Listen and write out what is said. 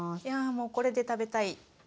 いやもうこれで食べたい！